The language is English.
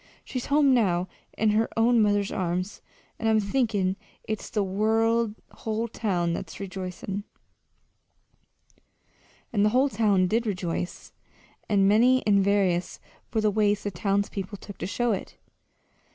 She's home now, in her own mother's arms, and I'm thinkin' it's the whole town that's rejoicin'!" And the whole town did rejoice and many and various were the ways the townspeople took to show it.